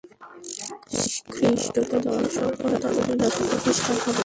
খ্রীষ্টকে দর্শন কর, তবে তুমি যথার্থ খ্রীষ্টান হবে।